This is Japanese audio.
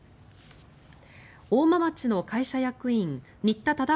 大間町の会社役員新田忠明